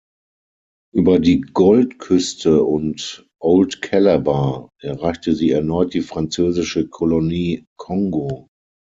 Über die Goldküste und Old Calabar erreichte sie erneut die französische Kolonie Kongo.